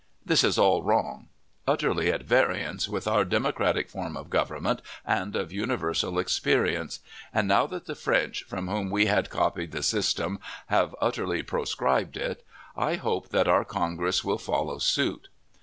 This is all wrong; utterly at variance with our democratic form of government and of universal experience; and now that the French, from whom we had copied the system, have utterly "proscribed" it, I hope that our Congress will follow suit.